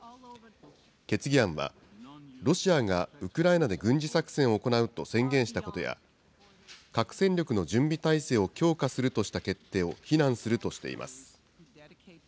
決議案は、ロシアがウクライナで軍事作戦を行うと宣言したことや、核戦力の準備態勢を強化するとした決定を非難するとしています。